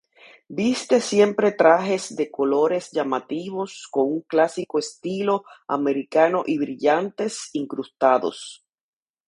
Viste siempre trajes de colores llamativos con un clásico estilo americano y brillantes incrustados.